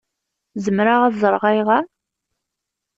Zemreɣ ad ẓṛeɣ ayɣeṛ?